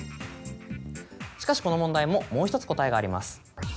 しかしこの問題ももう１つ答えがあります。